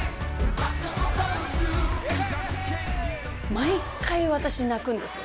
毎回私泣くんですよ